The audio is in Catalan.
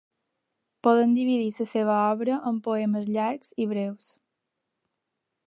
Podem dividir la seva obra en poemes llargs i breus.